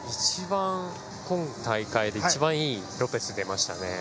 今大会で一番いいロペスが出ましたね。